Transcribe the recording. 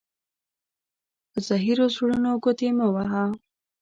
په زهيرو زړونو گوتي مه وهه.